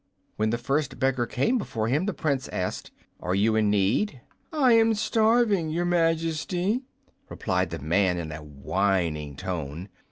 When the first beggar came before him the Prince asked, "Are you in need?" "I am starving, Your Majesty," replied the man, in a whining tone.